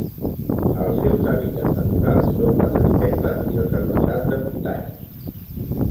Els seus hàbitats naturals són les estepes i els herbassars de muntanya.